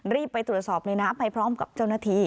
รีบไปตรวจสอบในน้ำไปพร้อมกับเจ้าหน้าที่